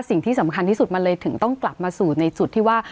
สิ่งที่สำคัญที่สุดมันเลยถึงต้องกลับมาสู่ในจุดที่ว่า